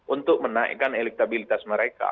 untuk menaikkan elektabilitas mereka